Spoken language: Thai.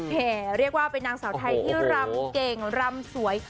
เรียกว่าเป็นนางสาวไทยที่รำเก่งรำสวย